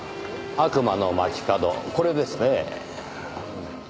『悪魔の街角』これですねぇ。